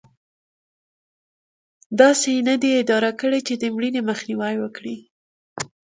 داسې یې نه دي اداره کړې چې د مړینې مخنیوی وکړي.